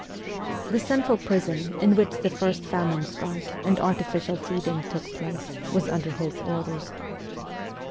The central prison, in which the first famine strike and artificial WESTERN EUROPE 289 feeding took place, was under his orders.